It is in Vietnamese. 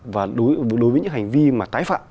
và đối với những hành vi mà tái phạm